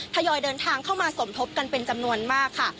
ทยอยเดินทางเข้ามาสมทบกันเป็นจำนวนมากค่ะ